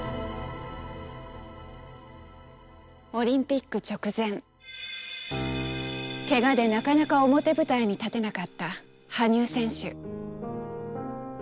オリンピック直前ケガでなかなか表舞台に立てなかった羽生選手。